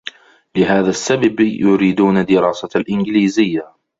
لهذا السّبب يريدون دراسة الإنجليزيّة.